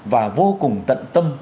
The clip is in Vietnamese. và vô cùng tận tâm